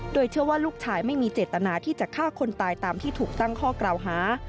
โดยเชื่อว่าลูกชายไม่มีเจตนาที่จะฆ่าคนตายตามที่ถูกตั้งข้อกล่าวหา